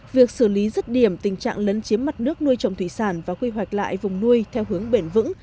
việc xử lý rứt điểm tình trạng lấn chiếm mặt nước nuôi trồng thủy sản và quy hoạch lại vùng nuôi theo hướng bền vững